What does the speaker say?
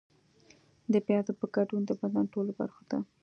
د پیازو په ګډون د بدن ټولو برخو ته